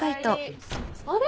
あれ？